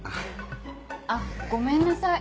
あごめんなさい